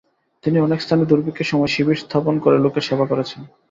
তিনি অনেক স্থানে দুর্ভিক্ষের সময় শিবির স্থাপন করে লোকের সেবা করেছেন।